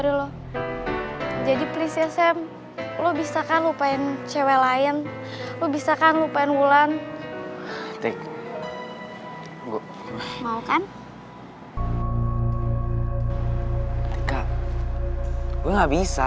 siapa tau gue bisa ibu bulan